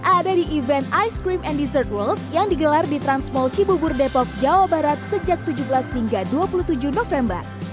ada di event ice cream and dessert world yang digelar di transmol cibubur depok jawa barat sejak tujuh belas hingga dua puluh tujuh november